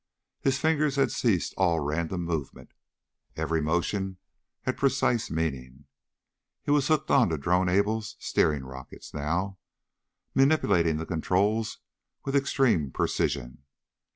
His fingers had ceased all random movement. Every motion had precise meaning. He was hooked onto Drone Able's steering rockets now, manipulating the controls with extreme precision.